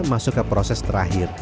masuk ke proses terakhir